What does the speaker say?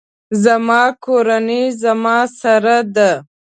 زما کورنۍ زما سره ده